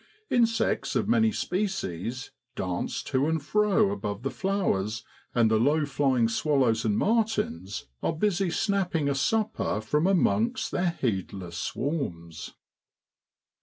Insects of many species dance to and fro above the flowers, and the low flying swallows and martins are busy snapping a supper from amongst their heedless swarms.